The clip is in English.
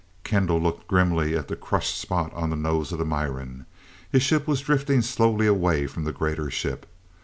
Kendall looked grimly at the crushed spot on the nose of the Miran. His ship was drifting slowly away from the greater ship.